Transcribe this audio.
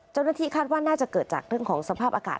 เจ้าหน้าที่คาดว่าน่าจะเกิดจากเรื่องของสภาพอากาศ